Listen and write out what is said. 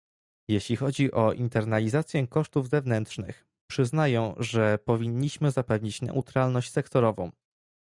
Jeśli chodzi o internalizację kosztów zewnętrznych, przyznaję, że powinniśmy zapewnić neutralność sektorową